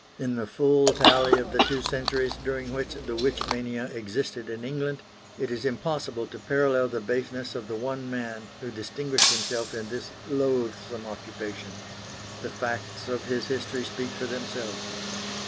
In the full tally of the two centuries during which the witch mania existed in England, it is impossible to parallel the baseness of the one man who distinguished himself in this loathsome occupation. The facts of his history speak for themselves.